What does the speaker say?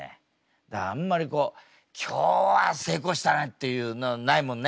だからあんまりこう「今日は成功したね！」っていうのないもんね。